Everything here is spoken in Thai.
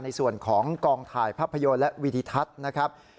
ในส่วนของกองถ่ายภาพยนตร์และวิทิทัศน์นะครับ